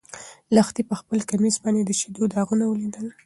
لښتې په خپل کمیس باندې د شيدو داغونه ولیدل.